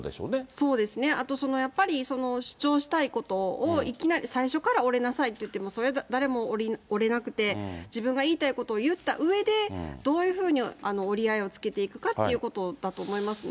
そうですね、あとやっぱり、主張したいことを、最初から折れなさいといっても、それは誰も折れなくて、自分が言いたいことを言ったうえで、どういうふうに折り合いをつけていくかということだと思いますね。